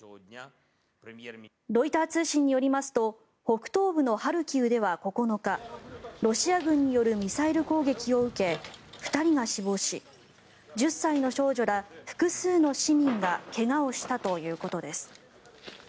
ロイター通信によりますと北東部のハルキウでは９日ロシア軍によるミサイル攻撃を受け２人が死亡し１０歳の少女ら複数の市民が怪我をしたということです。